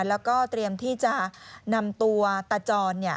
แล้วก็เตรียมที่จะนำตัวตาจร